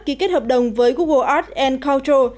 ký kết hợp đồng với google art culture